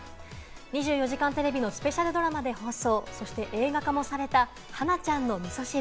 『２４時間テレビ』のスペシャルドラマで放送、そして映画化もされた『はなちゃんのみそ汁』。